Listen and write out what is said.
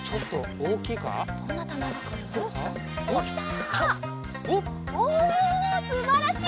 おおすばらしい！